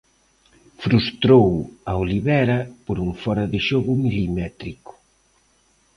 Frustrou a Olivera por un fóra de xogo milimétrico.